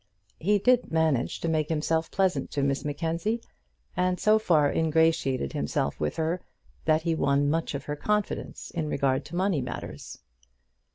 He did manage to make himself pleasant to Miss Mackenzie, and so far ingratiated himself with her that he won much of her confidence in regard to money matters.